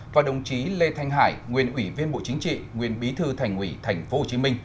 và đồng chí lê thanh hải nguyên ủy viên bộ chính trị nguyên bí thư thành ủy tp hcm